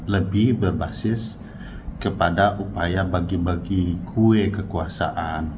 lebih berbasis kepada upaya bagi bagi kue kekuasaan